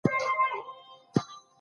د بهرني تجارت اغېز څه و؟